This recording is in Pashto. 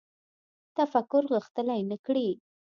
تفکر غښتلی نه کړي